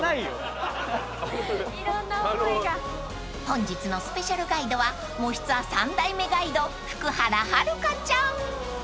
［本日のスペシャルガイドは『もしツア』３代目ガイド福原遥ちゃん］